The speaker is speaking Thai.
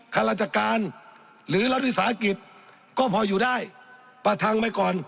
ข้าราชการหรือรัฐวิสาหกิจก็พออยู่ได้ประทังไว้ก่อน